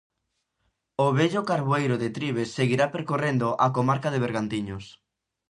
O vello Carboeiro de Trives seguirá percorrendo a comarca de Bergantiños.